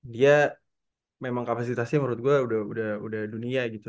dia memang kapasitasnya menurut gue udah dunia gitu